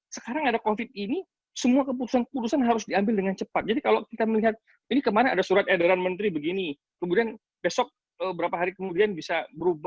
sekarang ada covid ini semua keputusan keputusan harus diambil dengan cepat jadi kalau kita melihat ini kemarin ada surat edaran menteri begini kemudian besok beberapa hari kemudian bisa berubah